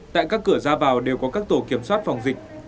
tại các cửa ra vào đều có các tổ kiểm soát phòng dịch